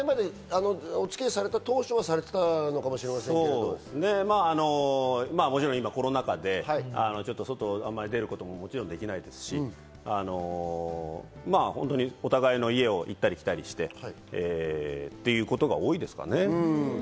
お付き合いされた当初はもちろん今、コロナ禍で外にもあまり出ることもできないですし、お互いの家を行ったり来たりしてということが多いですかね。